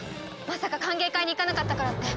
まさか歓迎会に行かなかったからって。